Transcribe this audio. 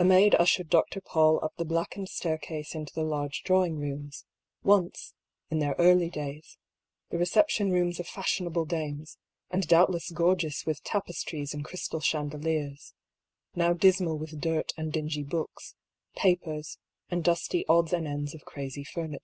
A maid ushered Dr. Paull up the blackened staircase into the large drawing rooms, once, in their early days, the reception rooms of fashionable dames, and doubtless gorgeous with tapes tries and crystal chandeliers ; now dismal with dirt and dingy books, papers, and dusty odds and ends of crazy furniture.